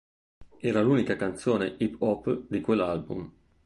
Era l'unica canzone hip hop di quell'album.